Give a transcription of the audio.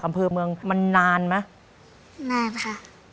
น้องป๋องเลือกเรื่องระยะทางให้พี่เอื้อหนุนขึ้นมาต่อชีวิตเป็นคนต่อชีวิต